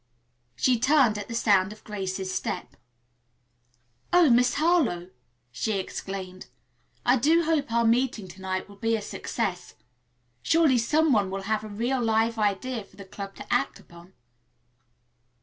She turned at the sound of Grace's step. "Oh, Miss Harlowe!" she exclaimed. "I do hope our meeting to night will be a success. Surely some one will have a real live idea for the club to act upon."